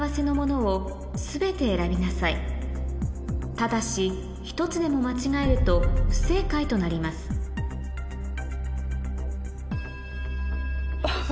ただし１つでも間違えると不正解となりますフ